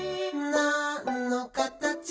「なんのかたち？